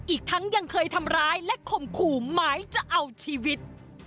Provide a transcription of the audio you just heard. อีกทั้งยังเคยทำร้ายและข่มขู่หมายจะเอาชีวิต